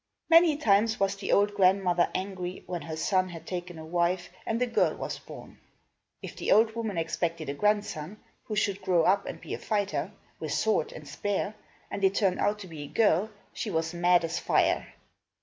Many times was the old grandmother angry, when her son had taken a wife and a girl was born. If the old woman expected a grandson, who should grow up and be a fighter, with sword and spear, and it turned out to be a girl, she was mad as fire.